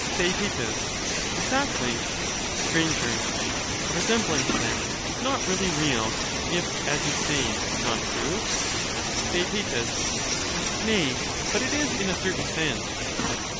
TheaeU Exactly. Str. A resemblance, then, is not really real, if, as you say, not true ? Theaet. Nay, but it is in a certain sense.